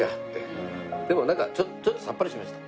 でもなんかちょっとさっぱりしました。